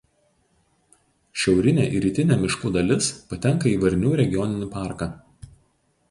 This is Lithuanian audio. Šiaurinė ir rytinė miškų dalis patenka į Varnių regioninį parką.